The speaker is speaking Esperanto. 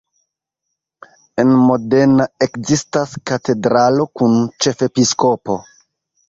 En Modena ekzistas katedralo kun ĉefepiskopo.